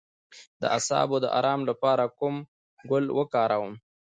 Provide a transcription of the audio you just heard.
د اعصابو د ارام لپاره کوم ګل وکاروم؟